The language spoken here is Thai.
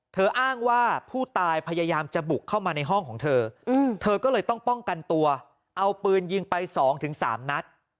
อ้างว่าผู้ตายพยายามจะบุกเข้ามาในห้องของเธอเธอก็เลยต้องป้องกันตัวเอาปืนยิงไป๒๓นัด